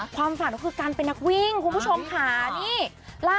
ความฝันก็คือการเป็นนักวิ่งคุณผู้ชมค่ะนี่